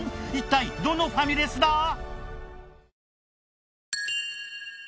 一体どのファミレスだ？